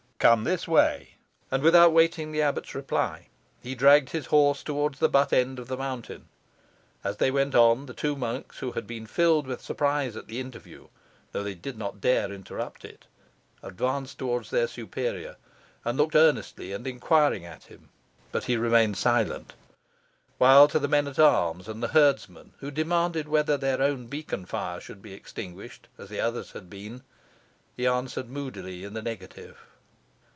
"Come this way." And, without awaiting the abbot's reply, he dragged his horse towards the but end of the mountain. As they went on, the two monks, who had been filled with surprise at the interview, though they did not dare to interrupt it, advanced towards their superior, and looked earnestly and inquiringly at him, but he remained silent; while to the men at arms and the herdsmen, who demanded whether their own beacon fire should be extinguished as the others had been, he answered moodily in the negative.